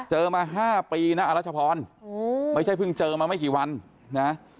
มา๕ปีนะอรัชพรไม่ใช่เพิ่งเจอมาไม่กี่วันนะ